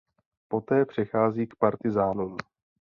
Poté přechází k partyzánům.